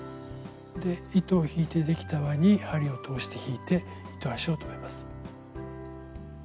で糸を引いてできた輪に針を通して引いて糸端を留めます。